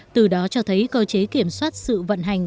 từ đó cho thấy cơ chế kiểm soát sự vận hành